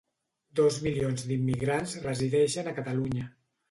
Dos milions d'immigrants resideixen a Catalunya.